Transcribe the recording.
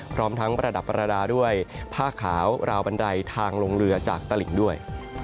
พร้อมทั้งประดับประดาษด้วยผ้าขาวราวบันไดทางลงเรือจากตลิ่งด้วย